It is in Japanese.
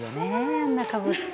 あんなんかぶって。